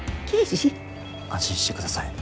安心して下さい。